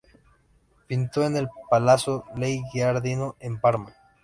Pintó en el "Palazzo dei Giardino" en Parma.